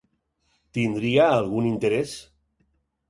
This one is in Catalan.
Tindria algun interès?